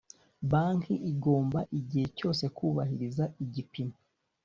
Banki igomba igihe cyose kubahiriza igipimo